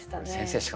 先生